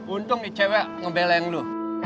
untung nih cewek ngebelain lu